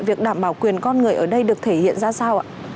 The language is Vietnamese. việc đảm bảo quyền con người ở đây được thể hiện ra sao ạ